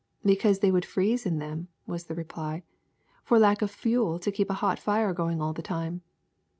'' Because they would freeze in them," was the reply, ^^for lack of fuel to keep a hot fire going all the time.